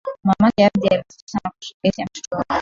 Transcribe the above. Mamake Abdi aliwaza sana kuhusu kesi ya mtoto wake.